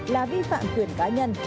là vi phạm quyền cá nhân